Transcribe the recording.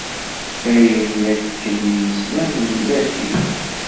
Ayen akken i nesla nnan-t-id.